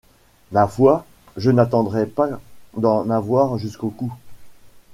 Ma foi, je n’attendrai pas d’en avoir jusqu’au cou !